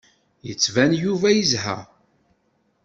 Yettban Yuba yezha.